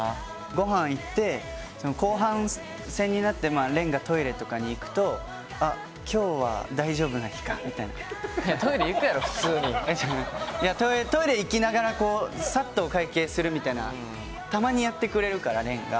ごはん行って、後半戦になって、廉がトイレとかに行くと、あっ、トイレ行くやろ、普通に。いや、トイレ行きながら、こう、さっとお会計するみたいな、たまにやってくれるから、廉が。